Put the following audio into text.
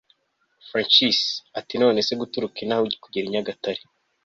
Francis atinonese guturuka inaha kugera inyagatare